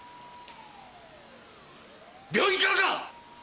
病院からか？